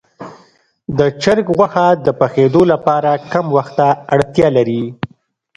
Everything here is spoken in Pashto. د چرګ غوښه د پخېدو لپاره کم وخت ته اړتیا لري.